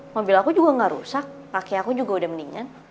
mobil aku juga gak rusak pakai aku juga udah mendingan